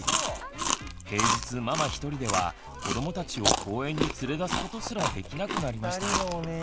平日ママ一人では子どもたちを公園に連れ出すことすらできなくなりました。